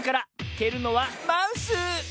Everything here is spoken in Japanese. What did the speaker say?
けるのはマウス！